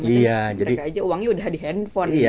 mereka aja uangnya udah di handphone